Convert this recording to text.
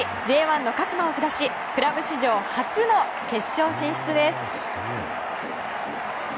Ｊ１の鹿島を下しクラブ史上初の決勝進出です。